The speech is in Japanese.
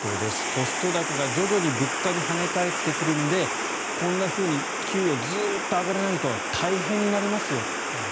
コスト高が徐々に物価に跳ね返ってくるのでこんなふうに給料がずっと上がらないと大変になりますよと。